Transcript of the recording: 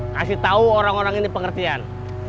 ngasih tau orang orang ini pengertian